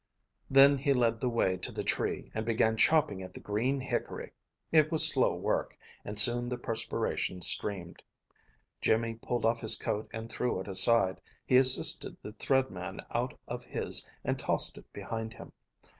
Then he led the way to the tree, and began chopping at the green hickory. It was slow work, and soon the perspiration streamed. Jimmy pulled off his coat and threw it aside. He assisted the Thread Man out of his and tossed it behind him.